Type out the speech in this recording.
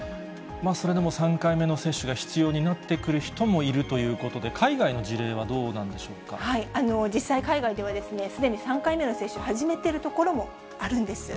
それでも３回目の接種が必要になってくる人もいるということで、海外の事例はどうなんでしょ実際海外では、すでに３回目の接種、始めてるところもあるんです。